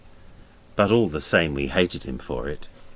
But all the same we hated him for it.